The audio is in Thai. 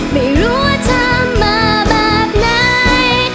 ไม่รู้ว่าทำมาแบบไหน